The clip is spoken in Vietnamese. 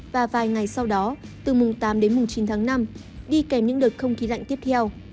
và vài ngày sau đó từ mùng tám đến mùng chín tháng năm đi kèm những đợt không khí lạnh tiếp theo